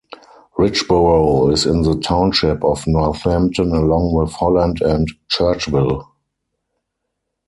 Richboro is in the township of Northampton along with Holland and Churchville.